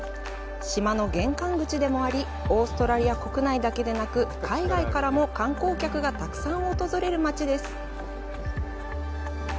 島の玄関口でもありオーストラリア国内だけでなく海外からも観光客がたくさん訪れる街です。